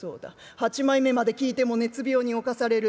８枚目まで聞いても熱病に侵される。